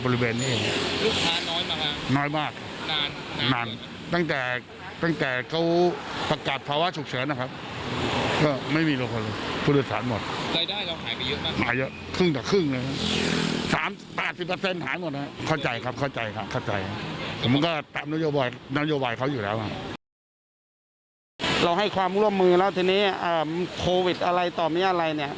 เราให้ความร่วมมือแล้วทีนี้โควิดอะไรต่อมีอะไรเนี่ย